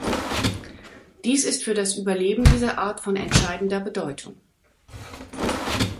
Dies ist für das Überleben dieser Art von entscheidender Bedeutung.